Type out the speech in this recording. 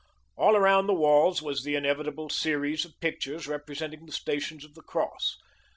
All around the walls was the inevitable series of pictures representing the Stations of the Cross.